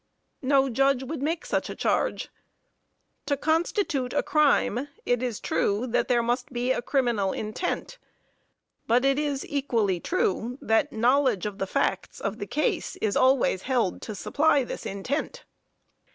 No Judge would make such a charge. To constitute a crime, it is true, that there must be a criminal intent, but it is equally true that knowledge of the facts of the case is always held to supply this intent.